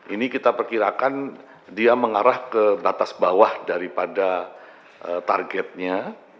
ini kita perkirakan dia mengarah ke batas bawah daripada targetnya